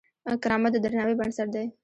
کرامت د درناوي بنسټ دی.